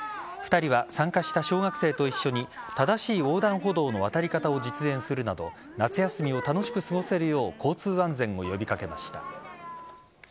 ２人は参加した小学生と一緒に正しい横断歩道の渡り方を実演するなど夏休みを楽しく過ごせるよう交通安全を呼び掛けました。